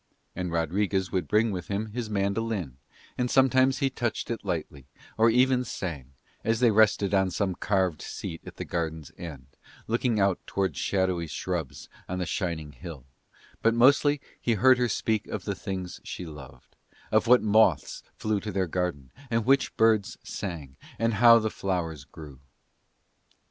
And Rodriguez would bring with him his mandolin, and sometimes he touched it lightly or even sang, as they rested on some carved seat at the garden's end, looking out towards shadowy shrubs on the shining hill, but mostly he heard her speak of the things she loved, of what moths flew to their garden, and which birds sang, and how the flowers grew.